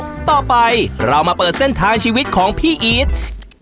ต่อไปเรามาเปิดเส้นทางชีวิตของพี่อีท